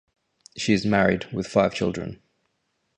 She is married with five children.